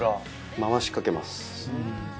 回しかけます。